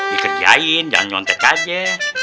dikerjain jangan nyontek aja